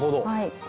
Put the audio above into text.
はい。